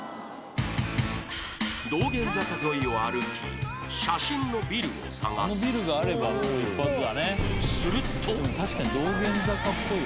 道玄坂沿いを歩き写真のビルを探す